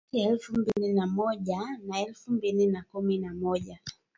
kati ya elfu mbili na moja na elfu mbili na kumi na moja